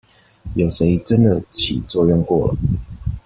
有誰真的起作用過了